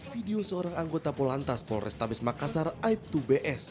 video seorang anggota polantas polrestabes makassar aib dua bs